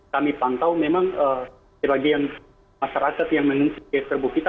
kami pantau memang sebagian masyarakat yang mengunjungi serbu kita